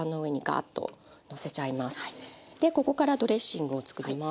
でここからドレッシングを作ります。